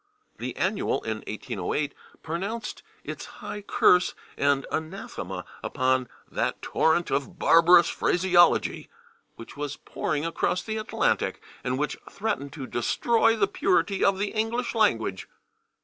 The /Annual/, in 1808, pronounced its high curse and anathema upon "that torrent of barbarous phraseology" which was pouring across the Atlantic, and which threatened "to destroy the purity of the English language."